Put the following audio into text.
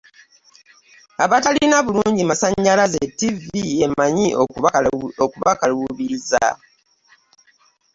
Abatalina bulungi masanyalaze ttivi emanyi okubakaluubiriza.